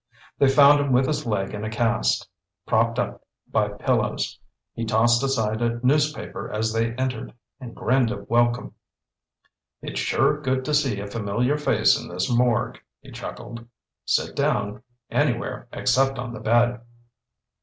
They found him with his leg in a cast, propped up by pillows. He tossed aside a newspaper as they entered and grinned a welcome. "It's sure good to see a familiar face in this morgue," he chuckled. "Sit down—anywhere except on the bed."